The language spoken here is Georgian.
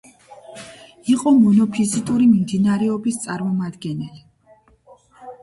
იყო მონოფიზიტური მიმდინარეობის წარმომადგენელი.